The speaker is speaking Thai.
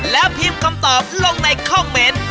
แล้วพิมพ์คำตอบลงในคอมเมนต์